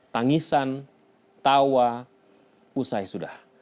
tangisan tawa usai sudah